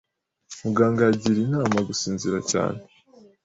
Muganga yagiriye inama gusinzira cyane.